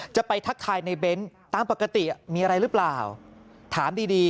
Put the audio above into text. จะไปทักทายในเบ้นตามปกติมีอะไรหรือเปล่าถามดีดี